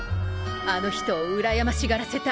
あの人をうらやましがらせたい。